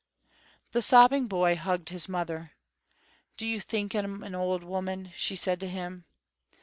The sobbing boy hugged his mother. "Do you think I'm an auld woman?" she said to him.